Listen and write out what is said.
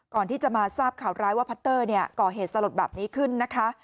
ก่อนที่จะมาทราบข่าวร้ายว่าพัตเตอร์ก่อเหตุสลดแบบนี้ขึ้นนะคะ